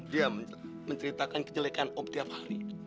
dia menceritakan kejelekan op tiap hari